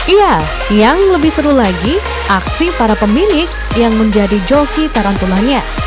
iya yang lebih seru lagi aksi para pemilik yang menjadi joki tarantulanya